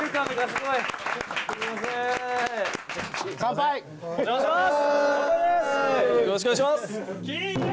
よろしくお願いします。